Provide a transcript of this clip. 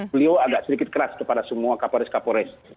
beliau agak sedikit keras kepada semua kapolres kapolres